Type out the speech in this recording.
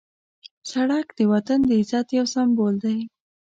سړک د وطن د عزت یو سمبول دی.